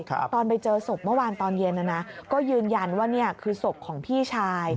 ตอนไปเจอศพเมื่อวานตอนเย็นนะนะก็ยืนยันว่านี่คือศพของพี่ชาย